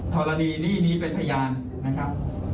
ธรณีนี้เป็นพยานนะครับ